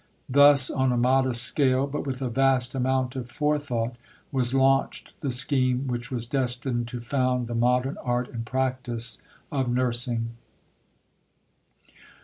Thus on a modest scale, but with a vast amount of forethought, was launched the scheme which was destined to found the modern art and practice of nursing.